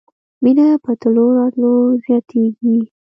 مينه په تلو راتلو زياتېږي.